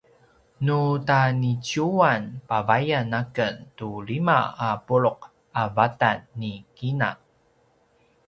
nu taniciyuwan pavayan aken tu lima a puluq a vatan ni kina